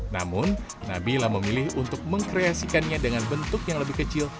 namun nabila memilih untuk mengkreasikannya dengan bentuk yang lebih kecil